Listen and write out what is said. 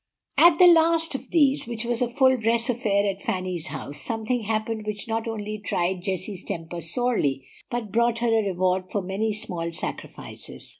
At the last of these, which was a full dress affair at Fanny's house, something happened which not only tried Jessie's temper sorely, but brought her a reward for many small sacrifices.